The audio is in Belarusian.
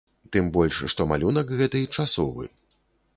Тым больш, што малюнак гэты часовы.